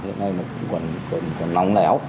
hiện nay nó còn nóng léo